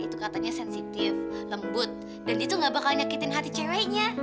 itu katanya sensitif lembut dan itu gak bakal nyakitin hati ceweknya